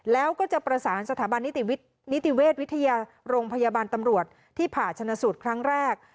แล้วก็จะประสานสถาบันนิติเวชวิทยาโรงพยาบาลตำรวจที่ผ่าชนะสูตรครั้งแรก